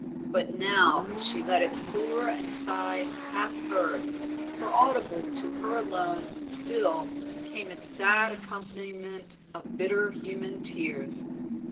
But now she let it soar and sigh half heard, for audible to her alone still came its sad accompaniment of bitter human tears.